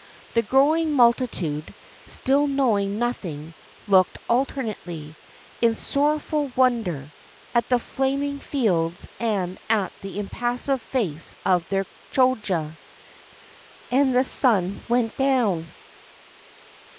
The growing multitude, still knowing nothing, looked alternately, in sorrowful won der, at the flaming fields and at the impassive face of their Choja. And the sun went down.